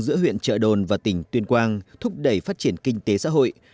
giữa huyện trợ đồn và tỉnh tuyên quang thúc đẩy phát triển kinh tế xã hội